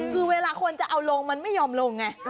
คือเวลาคนจะเอาลงมันไม่ยอมลงไง